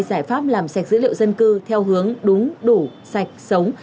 giải pháp làm sạch dữ liệu dân cư theo hướng đúng đủ sạch sống